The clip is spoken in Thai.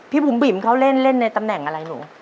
บุ๋มบิ๋มเขาเล่นในตำแหน่งอะไรหนู